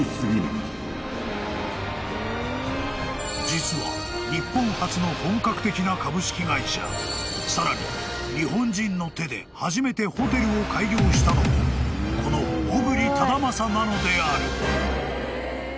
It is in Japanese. ［実は日本初の本格的な株式会社さらに日本人の手で初めてホテルを開業したのもこの小栗忠順なのである］